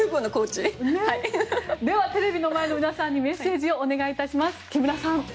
テレビの前の皆さんにメッセージをお願いします。